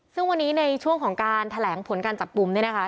ซึ่งวันนี้ในช่วงของการแถลงผลการจับกลุ่มเนี่ยนะคะ